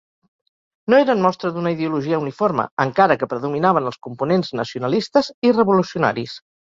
No eren mostra d'una ideologia uniforme, encara que predominaven els components nacionalistes i revolucionaris.